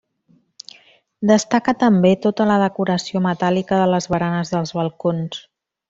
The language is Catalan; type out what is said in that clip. Destaca també tota la decoració metàl·lica de les baranes dels balcons.